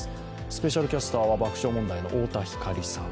スペシャルキャスターは爆笑問題の太田光さん。